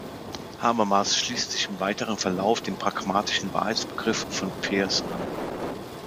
Habermas schließt sich im weiteren Verlauf dem pragmatischen Wahrheitsbegriff von Peirce an.